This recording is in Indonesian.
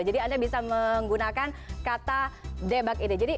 jadi anda bisa menggunakan kata debak ini